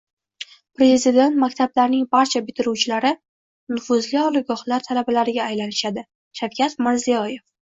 Prezident maktablarining barcha bitiruvchilari nufuzli oliygohlar talabalariga aylanishdi - Shavkat Mirziyoyev